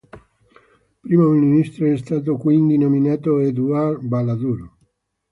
Primo ministro è stato quindi nominato Édouard Balladur.